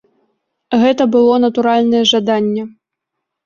Гэта было натуральнае жаданне.